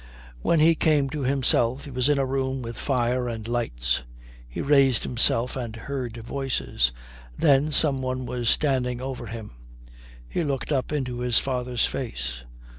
When he came to himself he was in a room with fire and lights. He raised himself and heard voices. Then some one was standing over him. He looked up into his father's face.